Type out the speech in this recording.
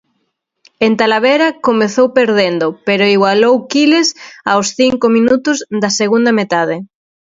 En Talavera comezou perdendo, pero igualou Quiles aos cinco minutos da segunda metade.